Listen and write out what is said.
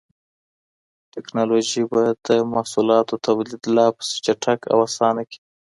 ټکنالوژي به د محصولاتو توليد لا پسې چټک او اسانه کړي.